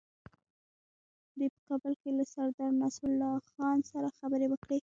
دوی په کابل کې له سردار نصرالله خان سره خبرې وکړې.